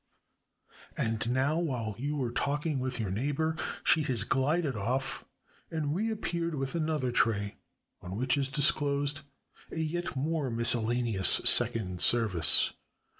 And now, while you were talking with your neighbor, she has glided off and reappeared with another tray, on which is disclosed a yet more miscellaneous second service.